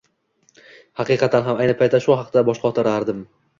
Xaqiqatan ham, ayni paytda shu haqda bosh qotirardim.